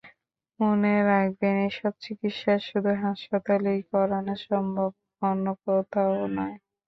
মনে রাখবেন, এসব চিকিৎসা শুধু হাসপাতালেই করানো সম্ভব, অন্য কোথাও নয়।